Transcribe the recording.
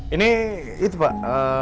ini itu pak